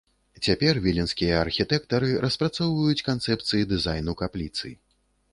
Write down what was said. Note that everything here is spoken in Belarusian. Цяпер віленскія архітэктары распрацоўваюць канцэпцыі дызайну капліцы.